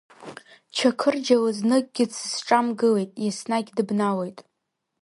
Чақырџьалы зныкгьы дзысҿамгылеит, иеснагь дыбналоит.